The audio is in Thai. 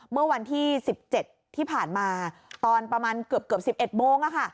เมื่อวันที่๑๗ที่ผ่านมาตอนประมาณเกือบ๑๑โมง